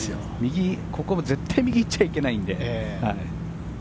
ここ絶対に右に行っちゃいけないんで。